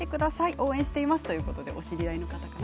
応援していますということでお知り合いの方かな。